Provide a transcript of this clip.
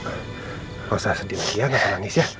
gak usah sedih lagi ya gak usah nangis ya